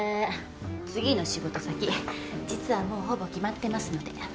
次の仕事先実はもうほぼ決まってますので。